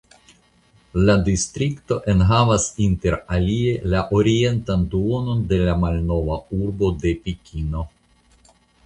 La distrikto enhavas interalie la orientan duonon de la malnova urbo de Pekino.